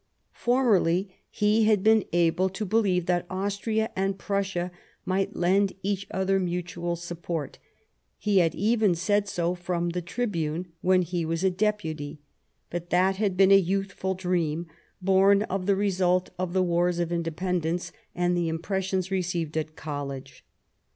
Formerly he had been able to believe that Austria and Prussia might lend each other mutual support, he had even said so from the tribune when he was a Deputy ; but that had been " a youthful dream, born of the result of the Wars of Independence and the impressions received at college."